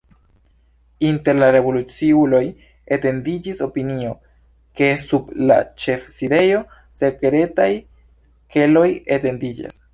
Inter la revoluciuloj etendiĝis opinio, ke sub la ĉefsidejo sekretaj keloj etendiĝas.